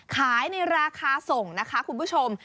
ขายในราคาส่งนะคะคุณผู้ชม